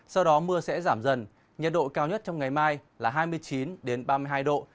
sau đó mưa sẽ giảm dần nhiệt độ cao nhất trong ngày mai là hai mươi chín ba mươi hai độ